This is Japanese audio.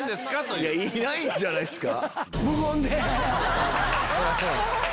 いないんじゃないですか？